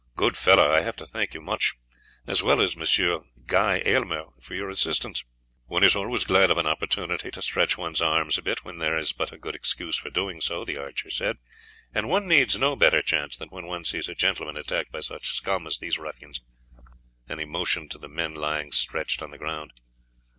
Good fellow, I have to thank you much, as well as Monsieur Guy Aylmer, for your assistance." "One is always glad of an opportunity to stretch one's arms a bit when there is but a good excuse for doing so," the archer said; "and one needs no better chance than when one sees a gentleman attacked by such scum as these ruffians," and he motioned to the men lying stretched on the ground.